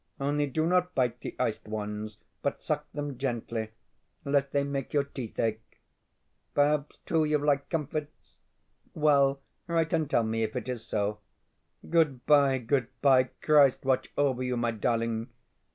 Only, do not bite the iced ones, but suck them gently, lest they make your teeth ache. Perhaps, too, you like comfits? Well, write and tell me if it is so. Goodbye, goodbye. Christ watch over you, my darling!